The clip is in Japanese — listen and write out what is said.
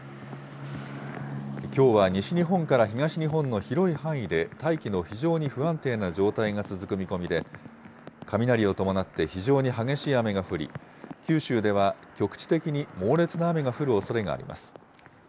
きょうは西日本から東日本の広い範囲で大気の非常に不安定な状態が続く見込みで、雷を伴って非常に激しい雨が降り、九州では局地的に猛烈な雨が降るおそれがあります。